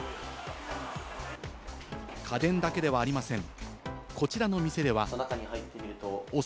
家電だけではありません。